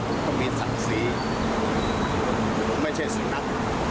ผมต้องมีศักดิ์ศรีไม่ใช่สุนัข